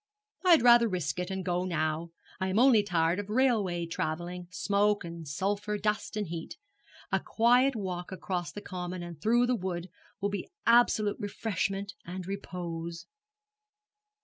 'I had rather risk it, and go now. I am only tired of railway travelling, smoke and sulphur, dust and heat. A quiet walk across the common and through the wood will be absolute refreshment and repose.'